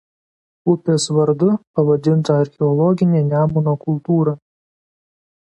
Upės vardu pavadinta archeologinė Nemuno kultūra.